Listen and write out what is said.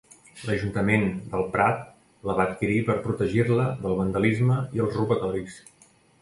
L'Ajuntament del Prat la va adquirir per protegir-la del vandalisme i els robatoris.